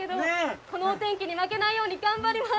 このお天気に負けないように頑張ります！